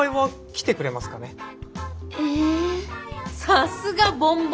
さすがボンボン。